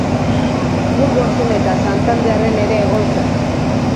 Burgosen eta Santanderren ere egon zen.